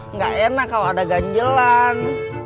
nggak enak kalau ada ganjelan